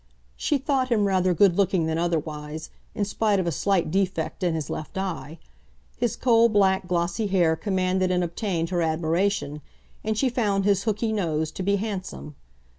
She thought him rather good looking than otherwise, in spite of a slight defect in his left eye. His coal black, glossy hair commanded and obtained her admiration, and she found his hooky nose to be handsome.